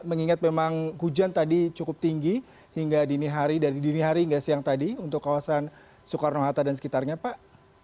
mengingat memang hujan tadi cukup tinggi hingga dini hari dari dini hari hingga siang tadi untuk kawasan soekarno hatta dan sekitarnya pak